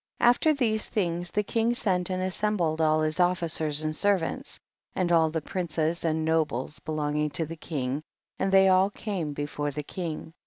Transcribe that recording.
After these things the king sent and assembled all his officers and servants, and all the princes and nobles belonging to the king, and they all came before the king.